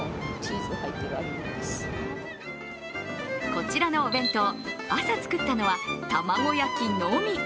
こちらのお弁当、朝作ったのは卵焼きのみ。